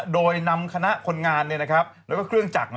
โดยนำคณะคนงานแล้วก็เครื่องจักร